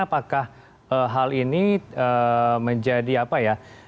apakah hal ini menjadi apa ya